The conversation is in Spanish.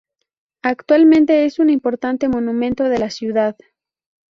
Actualmente es un importante monumento de la ciudad.